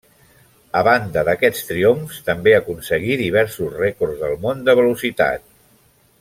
A banda d'aquests triomfs també aconseguí diversos rècords del món de velocitat.